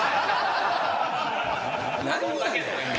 何やねん。